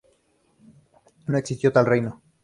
No existió tal reino.